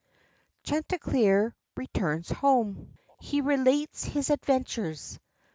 CHANTICLEER RETURNS HOME. HE RELATES HIS ADVENTURES.